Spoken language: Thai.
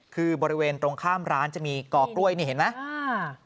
คือบริเวณตรงข้ามร้านจะมีกอกล้วยนี่เห็นไหม